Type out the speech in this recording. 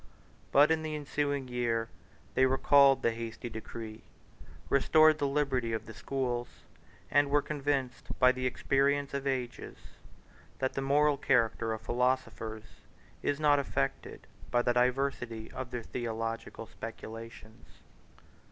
But in the ensuing year they recalled the hasty decree, restored the liberty of the schools, and were convinced by the experience of ages, that the moral character of philosophers is not affected by the diversity of their theological speculations.